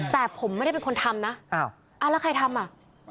แต่ผมไม่ได้เป็นคนทำนะแล้วใครทำอ่ะ